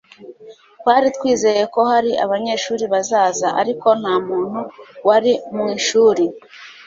twari twizeye ko hari abanyeshuri bazaza, ariko nta muntu wari mu ishuri